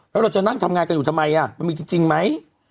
แล้วเราจะนั่งทำงานกันอยู่ทำไมมันมีจริงไหม